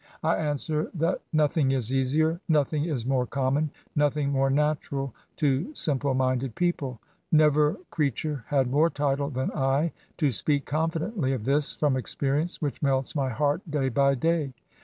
26 ESSAYS. I answer, that nothing is easier — nothing is more common — ^nothing more natural to simple minded people. Never creature had more title than I to speak confidently of this, from experience which melts my heart day by day.